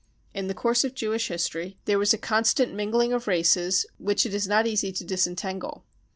In the course of Jewish history there was a constant mingling of races which it is not easy to disen tangle.